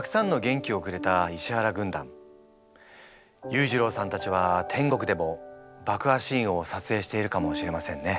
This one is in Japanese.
裕次郎さんたちは天国でも爆破シーンを撮影しているかもしれませんね。